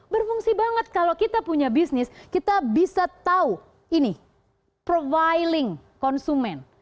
berfungsi banget kalau kita punya bisnis kita bisa tahu ini profiling konsumen